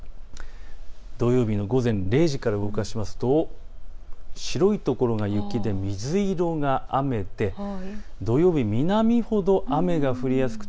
土曜日の午前０時から動かすと白い所が雪で、水色が雨で、土曜日、南ほど雨が降りやすくて